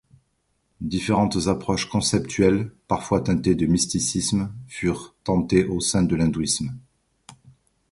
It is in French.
Différentes approches conceptuelles, parfois teintées de mysticisme, furent tentées au sein de l'hindouisme.